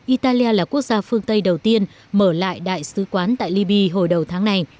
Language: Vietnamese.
italia là quốc gia phương tây đầu tiên mở lại đại sứ quán tại libya hồi đầu tháng này